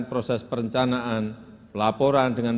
proses perencanaan pelaporan dengan